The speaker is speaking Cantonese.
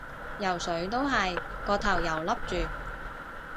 游水都係，個頭又笠住